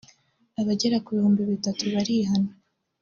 abagera ku bihumbi bitatu barihana